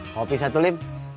kopi satu lim